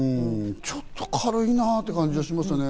ちょっと軽いなぁって感じがしますよね？